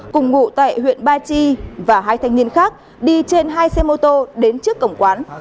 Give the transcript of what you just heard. cùng ngụ tại huyện ba chi và hai thanh niên khác đi trên hai xe mô tô đến trước cổng quán